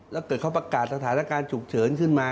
แล้วเกิดเขาประกาศสถานการณ์ฉุกเฉินขึ้นมา